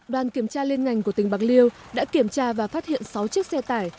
đoàn kiểm tra liên ngành của tỉnh bạc liêu đã kiểm tra và phát hiện sáu chiếc xe tải